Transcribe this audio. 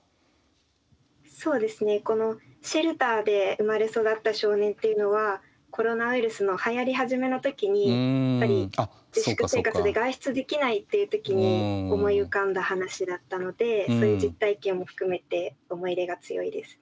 そうですねこのシェルターで生まれ育った少年っていうのはコロナウイルスのはやり始めの時にやっぱり自粛生活で外出できないっていう時に思い浮かんだ話だったのでそういう実体験も含めて思い入れが強いです。